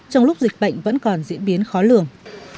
trong lúc dịch bệnh vẫn còn diễn biến khó lường